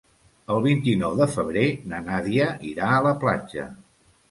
El vint-i-nou de febrer na Nàdia irà a la platja.